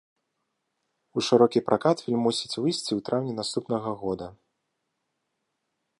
У шырокі пракат фільм мусіць выйсці ў траўні наступнага года.